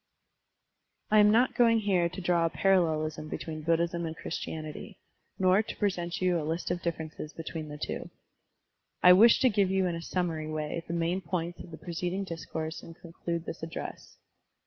♦♦♦ I am not going here to draw a parallelism between Buddhism and Christianity, nor to present you a list of differences between the two : I wish to give you in a summary way the main points of the preceding discourse and conclude this address.